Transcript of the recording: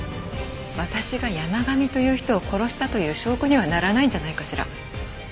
私が山神という人を殺したという証拠にはならないんじゃないかしら？